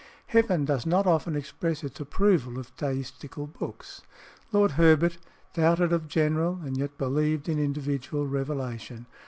Heaven does not often express its approval of Deistical books. Lord Herbert, doubted of general, and yet believed in individual revelation.